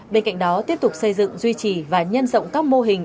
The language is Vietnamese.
bên cạnh đó tiếp tục xây dựng duy trì và nhân rộng các mô hình